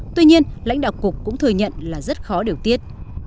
tuy nhiên lãnh đạo cục cũng thừa nhận là rất khó điều tiết